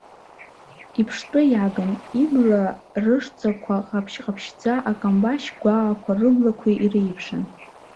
Иԥштәы иагын, ибла рыш-ҵақәа ҟаԥшь-ҟаԥшьӡа, акамбашь гәаақәа рыблақәа иреиԥшын.